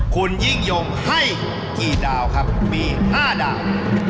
คุณยิ่งยงให้กี่ดาวครับมี๕ดาว